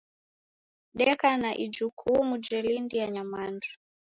Deka na ijukumu jelindia nyamandu